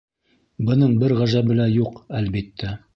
Бының бер ғәжәбе лә юҡ, әлбиттә.